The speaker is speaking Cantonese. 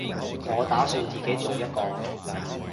我打算自己做一個